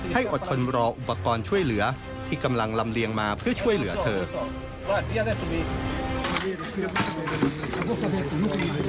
อดทนรออุปกรณ์ช่วยเหลือที่กำลังลำเลียงมาเพื่อช่วยเหลือเธอ